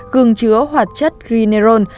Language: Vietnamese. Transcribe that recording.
gừng chứa hoạt chất grinerol